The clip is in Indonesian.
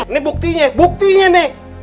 ini buktinya buktinya nih